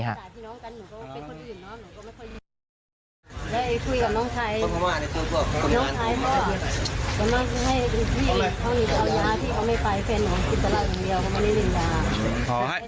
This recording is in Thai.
ครั้งใหญ่แหละครั้งที่ผ่านมาก็ไม่ได้ถึงท่านริเลงขนาดนี้